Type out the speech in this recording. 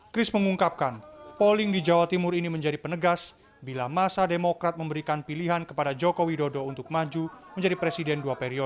chris mengungkapkan polling di jawa timur ini menjadi penegas bila masa demokrat memberikan pilihan kepada joko widodo untuk maju menjadi presiden dua periode